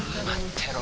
てろ